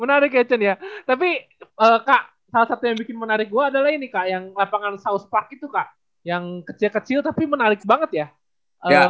menarik ya chen ya tapi kak salah satu yang bikin menarik gue adalah ini kak yang lapangan south park itu kak yang kecil kecil tapi menarik banget ya